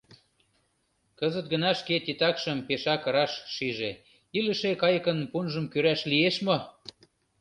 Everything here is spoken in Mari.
Кызыт гына шке титакшым пешак раш шиже: илыше кайыкын пунжым кӱраш лиеш мо?